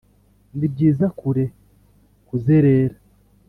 nibyiza kure kuzerera,